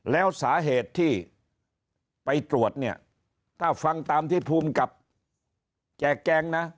แล้วสาเหตุที่ไปตรวจเนี่ยถ้าฟังตามที่ภูมิกับแจกแจงนะ